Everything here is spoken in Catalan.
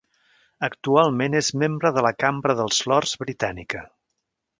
Actualment és membre de la Cambra dels Lords britànica.